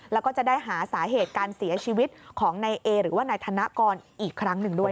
แล้วก็จะได้หาสาเหตุการเสียชีวิตของนายเอหรือว่านายธนกรอีกครั้งหนึ่งด้วย